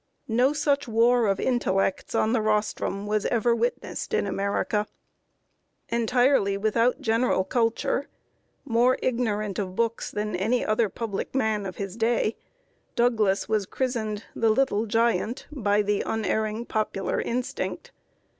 No such war of intellects, on the rostrum, was ever witnessed in America. Entirely without general culture, more ignorant of books than any other public man of his day, Douglas was christened "the Little Giant" by the unerring popular instinct.